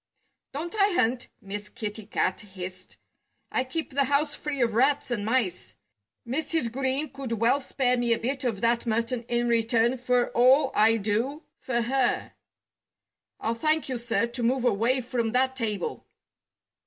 "Don't I hunt?" Miss Kitty Cat hissed. "I keep the house free of rats and mice. Mrs. Green could well spare me a bit of that mutton in return for all I do for her.... I'll thank you, sir, to move away from that table!"